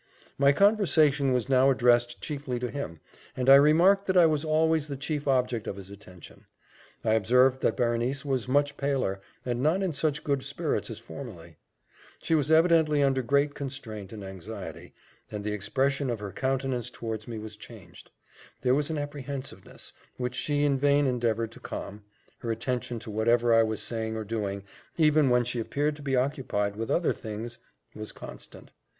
My conversation was now addressed chiefly to him, and I remarked that I was always the chief object of his attention. I observed that Berenice was much paler, and not in such good spirits as formerly: she was evidently under great constraint and anxiety, and the expression of her countenance towards me was changed; there was an apprehensiveness, which she in vain endeavoured to calm her attention to whatever I was saying or doing, even when she appeared to be occupied with other things, was constant.